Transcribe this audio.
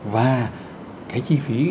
và cái chi phí